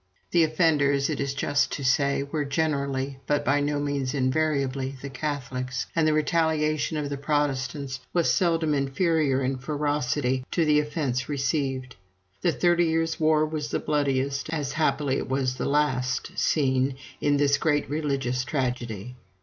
The offenders, it is just to say, were generally, but by no means invariably, the Catholics; and the retaliation of the Protestants was seldom inferior in ferocity to the offence received. The "Thirty Years' War" was the bloodiest, as happily it was the last, scene in this great religious tragedy.